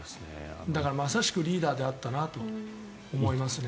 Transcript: だから、まさしくリーダーであったなと思いますね。